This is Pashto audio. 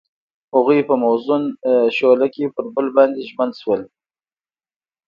هغوی په موزون شعله کې پر بل باندې ژمن شول.